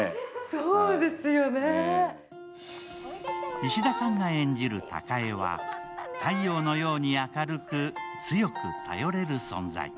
石田さんが演じる貴恵は太陽のように明るく強く頼れる存在。